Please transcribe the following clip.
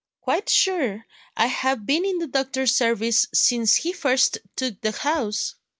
"Quite sure. I have been in the doctor's service since he first took the house."